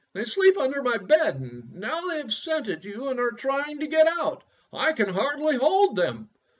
"They sleep under my bed, and now they have scented you and are trying to get out. I can hardly hold them."